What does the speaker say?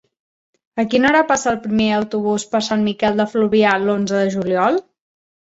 A quina hora passa el primer autobús per Sant Miquel de Fluvià l'onze de juliol?